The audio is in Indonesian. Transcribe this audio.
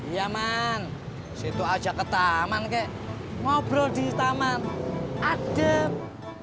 ya makan ke toprak dulu